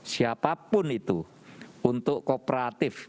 siapapun itu untuk kooperatif